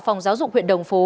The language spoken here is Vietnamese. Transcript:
phòng giáo dục huyện đồng phú